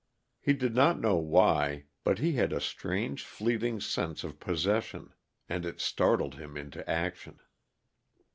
He did not know why, but he had a strange, fleeting sense of possession, and it startled him into action.